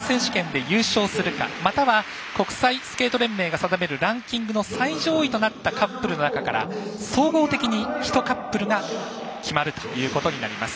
全日本選手権で優勝するかまたは国際スケート連盟が定めるランキングの最上位となったカップルの中から総合的に１カップルが決まるということになります。